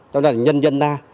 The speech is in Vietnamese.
cho nên là nhân dân na